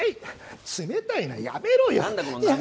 冷たいなやめろよ。